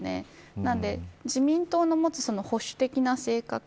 なので自民党の持つ保守的な性格。